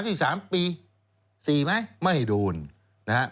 สี่สามปีสี่ไหมไม่โดน